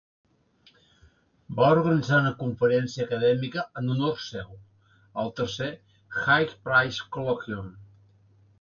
Va organitzar una conferència acadèmica en honor seu: el tercer Hague Prize Colloquium.